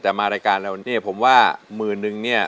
แต่มารายการแล้วผมว่ามือนึง